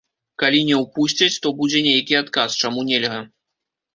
Калі не ўпусцяць, то будзе нейкі адказ, чаму нельга.